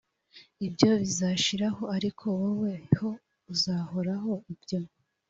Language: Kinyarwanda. ibyo bizashiraho ariko wowe ho uzahoraho ibyo